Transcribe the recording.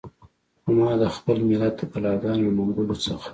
خو ما د خپل ملت د بلاګانو له منګولو څخه.